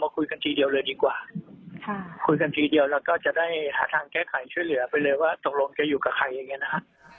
คุยกันทีเดียวแล้วก็จะได้หาทางแก้ไขช่วยเหลือไปเลยว่าตรงรมจะอยู่กับใครอย่างนี้นะค่ะ